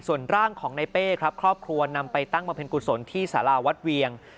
ส่วนร่างของในเป้ครับครอบครัวนำไปตั้งบำเพ็ญกุศลที่สาราวัดเวียง